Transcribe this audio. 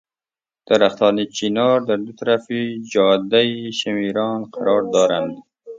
درختان چنار در دو طرف جادهی شمیران قرار دارند.